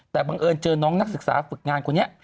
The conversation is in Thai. แต่บังเอิญเจอน้องนักศึกษาฝึกงานคนนี้